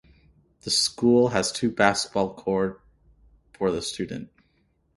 The school has two Basketball Court for the student.